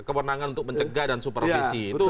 kewenangan untuk pencegah dan supervisi